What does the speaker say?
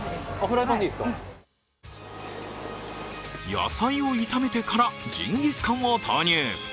野菜を炒めてからジンギスカンを投入。